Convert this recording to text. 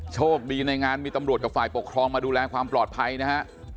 โชคดีในงานมีตำรวจกับฝ่ายปกครองมาดูแลความปลอดภัยนะฮะ